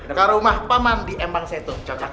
kalau rumah pemandi emang seto